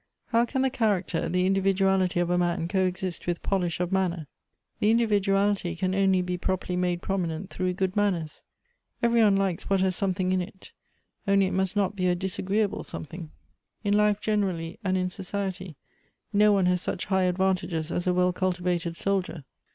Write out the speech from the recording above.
"How can the character, the individuality of a man co exist with polish of manner? " The individuality can only be properly made promi nent through good manners. Every one likes what has something in it, only it must not be a disagreeable some thing. Elective Affinities. 201 " In life generally, and in society no one has such high advantages as a well cultivated soldier.